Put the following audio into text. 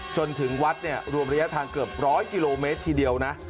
จนถึงวัดเนี่ยรวมระยะทางเกือบ๑๐๐กิโลเมตรทีเดียวนะ